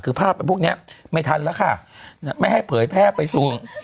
คือภาพพวกเนี้ยไม่ทันแล้วค่ะไม่ให้เผยแพร่ไปสู่